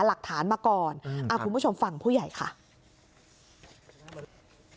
ปกติเขาใส่กันเยอะไหมครับ